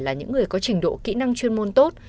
là những người có trình độ kỹ năng chuyên môn tốt